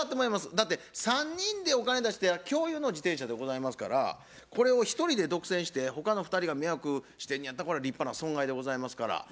だって３人でお金出して共有の自転車でございますからこれを一人で独占して他の２人が迷惑してんのやったらこれは立派な損害でございますから。